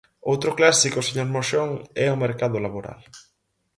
Outro clásico, señor Moxón, é o mercado laboral.